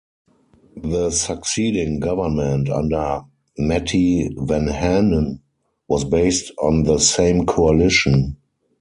The succeeding government under Matti Vanhanen was based on the same coalition.